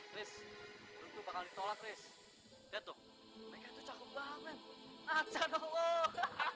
mereka gak bersalah mas